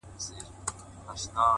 o سم ليونى سوم؛